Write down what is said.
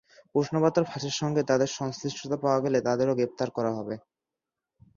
প্রশ্নপত্র ফাঁসের সঙ্গে তাঁদের সংশ্লিষ্টতা পাওয়া গেলে তাঁদেরও গ্রেপ্তার করা হবে।